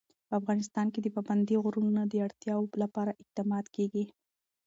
په افغانستان کې د پابندي غرونو د اړتیاوو لپاره اقدامات کېږي.